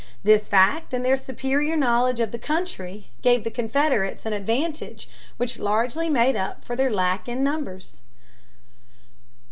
This fact and their superior knowledge of the country gave the Confederates an advantage which largely made up for their lack in numbers.